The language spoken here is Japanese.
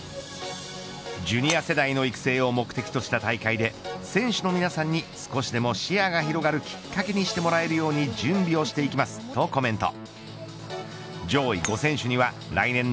ジュニア世代の育成を目的とした大会で選手の皆さんに少しでも視野が広がるきっかけにしてもらえるように準備をしていきますとコメント。